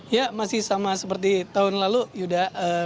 ya masih sama seperti tahun lalu yuda